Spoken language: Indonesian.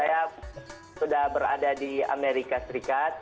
saya sudah berada di amerika serikat